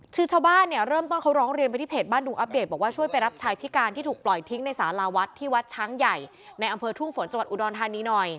คือชาวบ้านเนี่ยเริ่มต้นเขาร้องเรียนไปที่เพจบ้านดุงอัปเดตบอกว่าช่วยไปรับชายพิการที่ถูกปล่อยทิ้งในสาราวัดที่วัดช้างใหญ่ในอำเภอทุ่งฝนจังหวัดอุดรธานีหน่อย